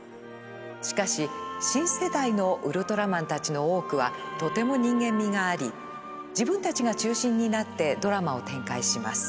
しかし新世代のウルトラマンたちの多くはとても人間味があり自分たちが中心になってドラマを展開します。